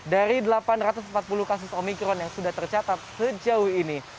dari delapan ratus empat puluh kasus omikron yang sudah tercatat sejauh ini